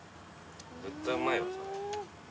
絶対うまいわそれ。